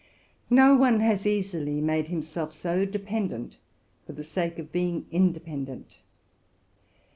No one has easily made himself so dependent for the sake of being independent.